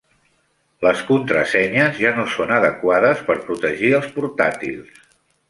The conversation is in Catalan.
Les contrasenyes ja no són adequades per protegir els portàtils.